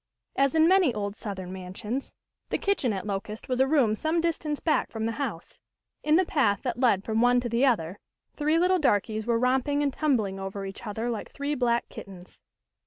As in many old Southern mansions, the kitchen at Locust was a room some distance back from the house. In the path that led from one to the other, three little darkies were romping and tumbling over each other like three black kittens.